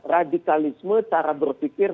radikalisme cara berpikir